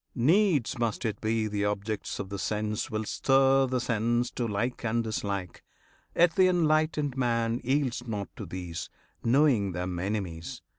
Needs must it be The objects of the sense will stir the sense To like and dislike, yet th' enlightened man Yields not to these, knowing them enemies.